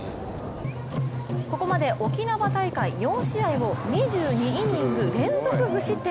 ここまで沖縄大会４試合を２２イニング連続無失点。